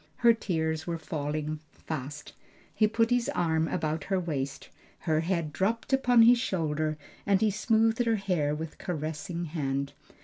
Her tears were falling fast. He put his arm about her waist, her head dropped upon his shoulder and he smoothed her hair with caressing hand.